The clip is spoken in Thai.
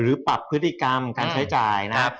ปรับพฤติกรรมการใช้จ่ายนะครับ